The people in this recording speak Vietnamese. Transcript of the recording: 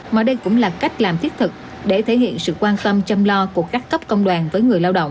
mà đây cũng là cách làm thiết thực để thể hiện sự quan tâm chăm lo của các cấp công đoàn với người lao động